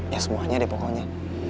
ya semuanya deh pokoknya